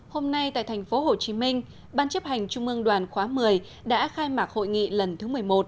hôm nay tại thành phố hồ chí minh ban chấp hành trung mương đoàn khóa một mươi đã khai mạc hội nghị lần thứ một mươi một